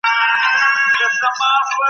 لوری مي نه پېژنم `